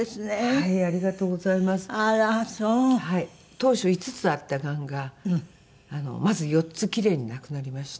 当初５つあったがんがまず４つキレイになくなりまして。